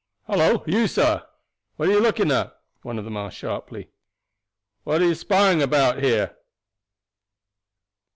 "Hallo you, sir! What are you looking at?" one of them asked sharply. "What are you spying about here?"